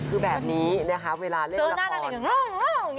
คือแบบนี้นะคะเวลาเล่นละคร